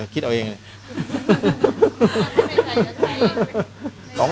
คิดเอาเองเลย